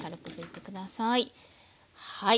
はい。